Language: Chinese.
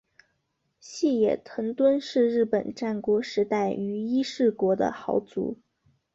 细野藤敦是日本战国时代于伊势国的豪族。